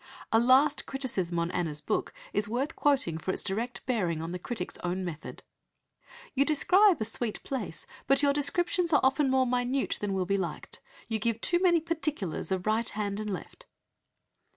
A last criticism on Anna's book is worth quoting for its direct bearing on the critic's own method. "You describe a sweet place, but your descriptions are often more minute than will be liked. You give too many particulars of right hand and left."